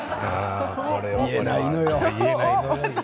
言えないのよ。